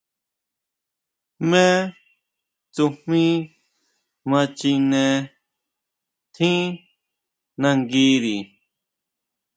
¿Jmé tsujmí ma chine tjín nanguiri?